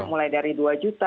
mulai dari dua juta